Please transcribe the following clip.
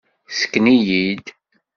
Ssken-iyi-d!